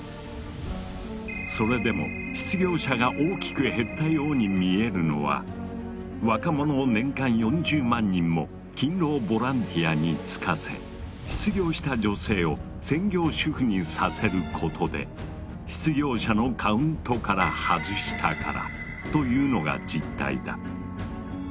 それでも失業者が大きく減ったように見えるのは若者を年間４０万人も勤労ボランティアに就かせ失業した女性を専業主婦にさせることで失業者のカウントから外したからというのが実態だ。